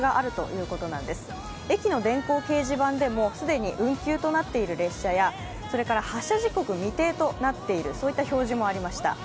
駅の電光掲示板でも既に運休となっている列車や発車時刻未定となっている、そんな表示もありました。